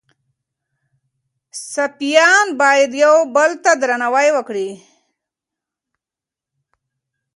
سپایان باید یو بل ته درناوی وکړي.